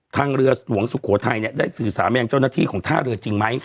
ทางเรือหลวงสุโขทัยเนี่ยได้สื่อสามอย่างเจ้าหน้าที่ของท่าเรือจริงไหม